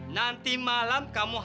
nanti malam kamu hampir